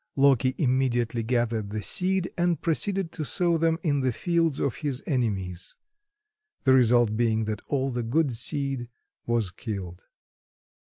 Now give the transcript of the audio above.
Loki immediately gathered the seed and proceeded to sow them in the fields of his enemies, the result being that all the good seed was killed.